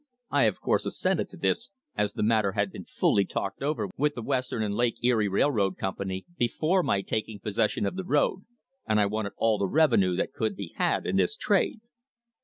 I, of course, assented to this, as the matter had been fully talked over with the Western and Lake Erie Railroad Company before my taking possession of the road, and I wanted all the revenue that could be had in this trade.